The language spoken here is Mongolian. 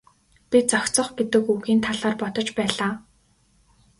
Би зохицох гэдэг үгийн талаар бодож байлаа.